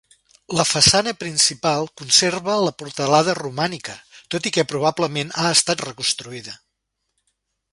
La façana principal conserva la portalada romànica, tot i que probablement ha estat reconstruïda.